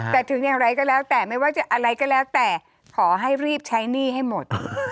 แต่ถึงอย่างไรก็แล้วแต่ไม่ว่าจะอะไรก็แล้วแต่ขอให้รีบใช้หนี้ให้หมด